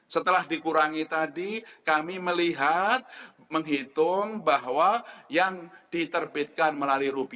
setelah dikurangi tadi kami melihat menghitung bahwa yang diterbitkan melalui